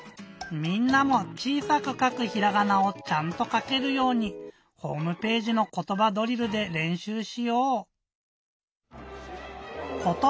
みんなも「ちいさくかくひらがな」をちゃんとかけるようにホームページの「ことばドリル」でれんしゅうしよう！